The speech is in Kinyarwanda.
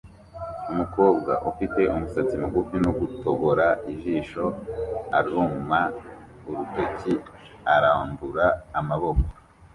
Umukobwa ufite umusatsi mugufi no gutobora ijisho aruma urutoki arambura amaboko